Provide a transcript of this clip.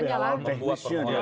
sampai alat teknisnya dia